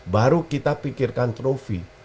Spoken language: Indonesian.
baru kita pikirkan trophy